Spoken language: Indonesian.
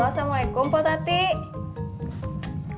haloo assalamu'alaikum potati symbol